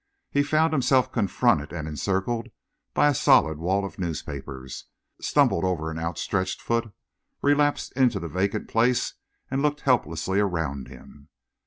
He found himself confronted and encircled by a solid wall of newspapers, stumbled over an outstretched foot, relapsed into the vacant place and looked helplessly around him.